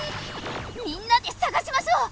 みんなでさがしましょう！